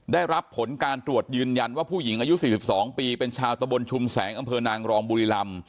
ได้รับผลการตรวจยืนยันว่าผู้หญิงอายุ๔๒ปีเป็นชาวตะบนชุมแสงอำเภอนางรองบุรีลำ